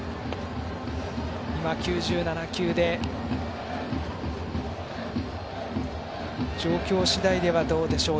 今、９７球で状況次第ではどうでしょう